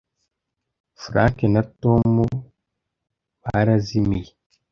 frank na tom barazimiye